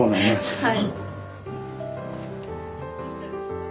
「はい！